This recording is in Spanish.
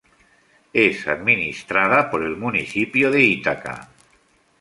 Es administrada por el municipio de Ítaca.